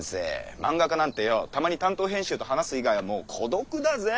漫画家なんてよォたまに担当編集と話す以外はもう孤独だぜェ？